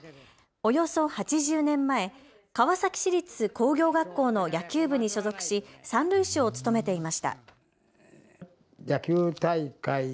およそ８０年前、川崎市立工業学校の野球部に所属し三塁手を務めていました。